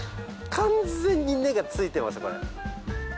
完全に根がついてますよこれ。